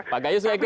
pak gayu silahkan